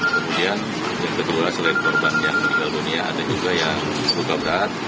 kemudian yang ke dua selain korban yang tinggal dunia ada juga yang luka berat